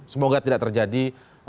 semoga tidak terjadi